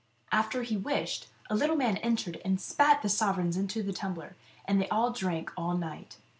After he wished, a little man entered and spat the sovereigns into the tumbler, and they all drank all night.